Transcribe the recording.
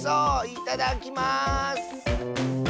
いただきます！